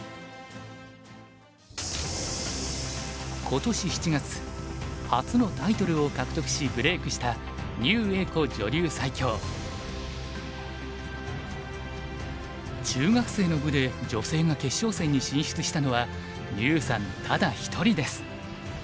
今年７月初のタイトルを獲得しブレークした中学生の部で女性が決勝戦に進出したのは牛さんただ一人です。